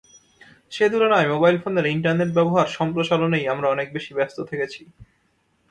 সে তুলনায় মোবাইল ফোনের ইন্টারনেট ব্যবহার সম্প্রসারণেই আমরা অনেক বেশি ব্যস্ত থেকেছি।